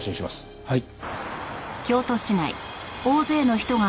はい。